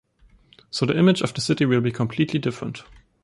So the image of the city will be completely different.